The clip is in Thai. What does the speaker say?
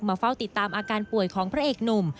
เฝ้าติดตามอาการป่วยของพระเอกหนุ่ม